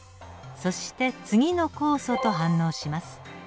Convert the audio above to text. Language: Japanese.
そして次の酵素と反応します。